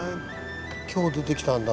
今日出てきたんだ。